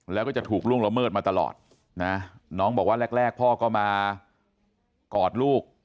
แล้วก็จะถูกล่วงละเมิดมาตลอดนะน้องบอกว่าแรกพ่อก็มากอดลูก